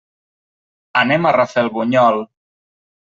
Anem a Rafelbunyol.